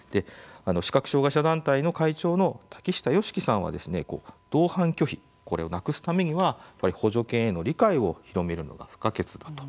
視覚障害者団体の会長の竹下義樹さんは同伴拒否、これをなくすためには補助犬への理解を広めるのが不可欠だと。